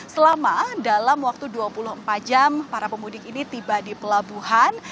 selama dalam waktu dua puluh empat jam para pemudik ini tiba di pelabuhan